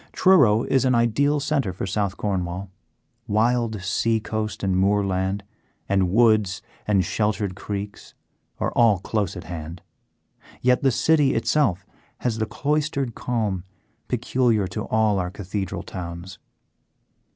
Truro is an ideal centre for South Cornwall. Wild sea coast and moorland, and woods and sheltered creeks, are all close at hand, yet the city itself has the cloistered calm peculiar to all our cathedral towns.